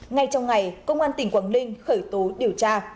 ngay trong ngày công an tỉnh quảng ninh khởi tố điều tra